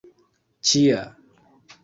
ĉia